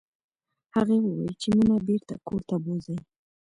هغې وویل چې مينه بېرته کور ته بوزئ